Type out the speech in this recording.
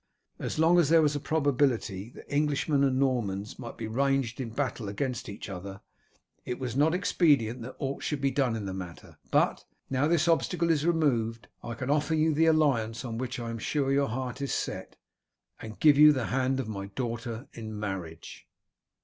As long as there was a probability that Englishmen and Normans might again be ranged in battle against each other, it was not expedient that aught should be done in the matter, but, now this obstacle is removed, I can offer you the alliance on which I am sure your heart is set, and give you the hand of my daughter in marriage."